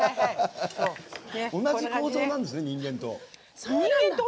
同じ構造なんですね人間と。